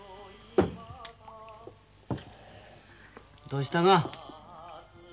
どうしたが？